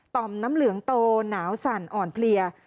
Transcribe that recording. มน้ำเหลืองโตหนาวสั่นอ่อนเพลีย